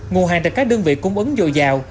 nguồn hàng tại các đơn vị cung ứng dồi dào